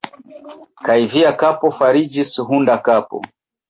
Kaj via kapo fariĝis hunda kapo!